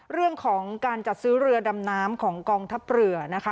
เรื่องของการจัดซื้อเรือดำน้ำของกองทัพเรือนะคะ